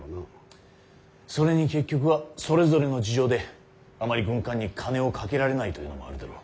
それに結局はそれぞれの事情であまり軍艦に金をかけられないというのもあるだろう。